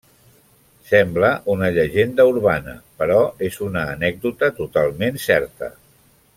Sembla una llegenda urbana, però és una anècdota totalment certa.